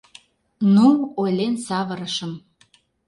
Ну, ойлен савырышым.